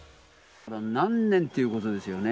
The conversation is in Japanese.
何年っていうことですよね。